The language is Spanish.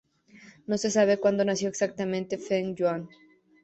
No se sabe cuándo nació exactamente Feng Yuan.